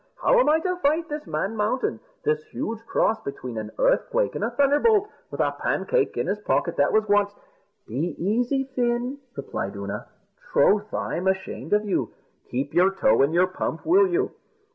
How am I to fight this man mountain this huge cross between an earthquake and a thunderbolt? with a pancake in his pocket that was once " "Be easy, Fin," replied Oonagh; "troth, I'm ashamed of you. Keep your toe in your pump, will you?